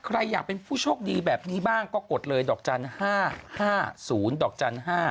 ใครอยากเป็นผู้โชคดีแบบนี้บ้างก็กดเลยดอกจันทร์๕๕๐ดอกจันทร์๕